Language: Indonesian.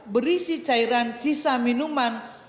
berisi cairan sisa minuman